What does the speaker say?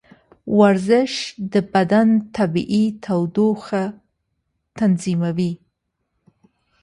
ورزش د بدن طبیعي تودوخه تنظیموي.